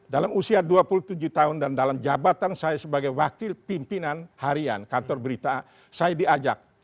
dalam usia dua puluh tujuh tahun dan dalam jabatan saya sebagai wakil pimpinan harian kantor berita saya diajak